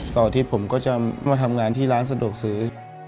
อาทิตย์ผมก็จะมาทำงานที่ร้านสะดวกซื้อ